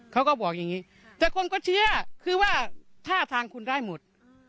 เขาก็บอกอย่างนี้แต่คนก็เชื่อคือว่าท่าทางคุณได้หมด